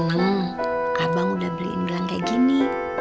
hmm abang udah beliin bilang kayak gini